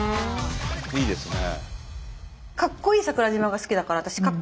いいですね。